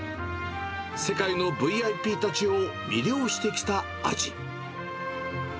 世界のＶＩＰたちを魅了してきた味。